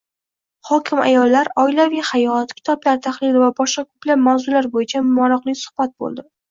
Hokim ayollar, oilaviy hayot, kitoblar tahlili va boshqa koʻplab mavzular boʻyicha maroqli suhbat boʻldi.